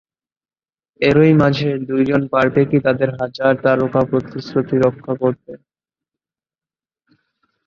এরই মাঝে দু'জন পারবে কি তাদের হাজার তারকা প্রতিশ্রুতি রক্ষা করতে?